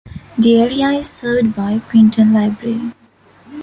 The area is served by Quinton Library.